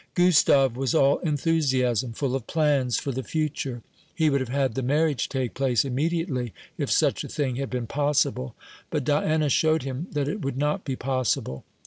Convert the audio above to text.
Gustave was all enthusiasm, full of plans for the future. He would have had the marriage take place immediately, if such a thing had been possible; but Diana showed him that it would not be possible.